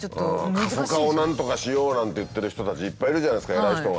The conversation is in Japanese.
過疎化をなんとかしようなんて言ってる人たちいっぱいいるじゃないですか偉い人が。